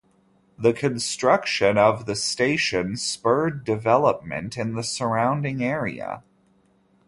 The construction of the station spurred development in the surrounding area.